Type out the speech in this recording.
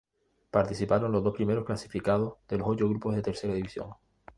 Participaron los dos primeros clasificados de los ocho grupos de Tercera División.